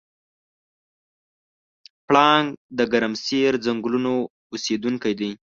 پړانګ د ګرمسیر ځنګلونو اوسېدونکی دی.